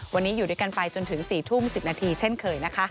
วันนี้อยู่ด้วยกันไปจนถึง๔ทุ่ม๑๐นาทีเช่นเคยนะคะ